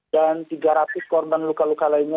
dan tiga ratus korban luka luka lainnya